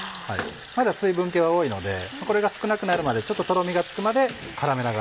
まだ水分気は多いのでこれが少なくなるまでちょっととろみがつくまで絡めながら。